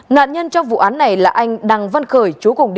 nạn nhân trong vụ án này là anh đăng văn khởi